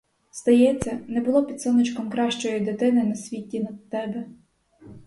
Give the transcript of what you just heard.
Здається, не було під сонечком кращої дитини на світі над тебе.